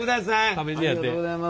食べてやって。